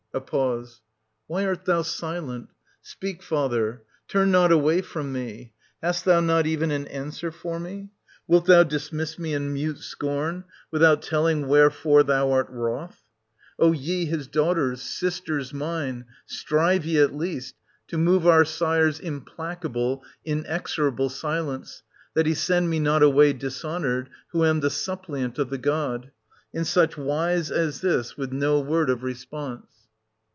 \A pause. Why art thou silent.? Speak, father: — turn not away from me. Hast thou not even an answer for me } Wilt thou dismiss me in mute scorn, without telling wherefore thou art wroth t O ye, his daughters, sisters mine, strive ye, at least, to move our sire's implacable, inexorable silence, that he send me not away dishonoured, — who am the sup pliant of the god, — in such wise as this, with no word of response.